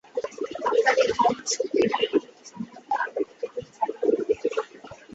আত্মার এই ধারণার সহিত ইহার পূর্ণতা সম্বন্ধে আরও কতকগুলি ধারণা আমরা দেখিতে পাই।